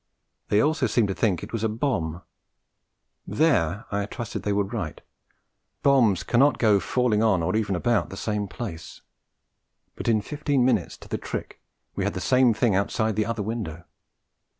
They also seemed to think it was a bomb. There I trusted they were right. Bombs cannot go on falling on or even about the same place. But in fifteen minutes to the tick we had the same thing outside the other window.